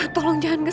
ya allah jangan